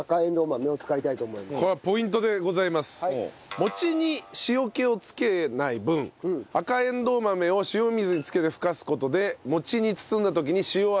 餅に塩気をつけない分赤えんどう豆を塩水に漬けてふかす事で餅に包んだ時に塩味が足されるという。